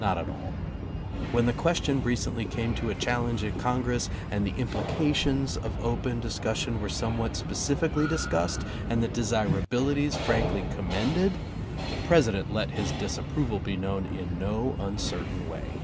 Not at all. When the question recently came to a challenge in Congress, and the implications of open discus sion were somewhat specifically discussed, and the desirabilities frankly commended, the President let his disapproval be known in no uncertain way.